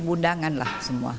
lima undangan lah semua